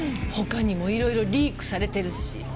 他にもいろいろリークされてるし。